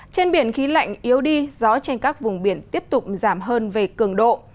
trên biển khí lạnh yếu đi gió trên các vùng biển tiếp tục giảm hơn về cường độ